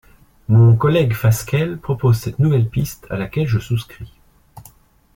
Mon collègue Fasquelle propose cette nouvelle piste à laquelle je souscris.